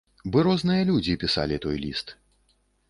Бы розныя людзі пісалі той ліст.